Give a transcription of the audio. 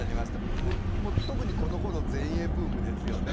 特にこのころ前衛ブームですよね。